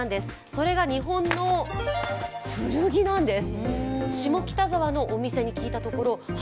それが日本の古着なんです。